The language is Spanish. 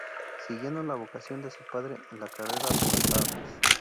Siguiendo la vocación de su padre en la carrera de las armas.